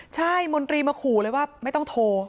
ใช่มนตรีมาขู่เลยว่าไม่ต้องโทร